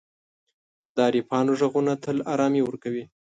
د عارفانو ږغونه تل آرامي ورکوي.